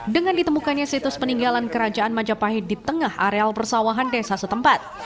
dengan ditemukannya situs peninggalan kerajaan majapahit di tengah areal persawahan desa setempat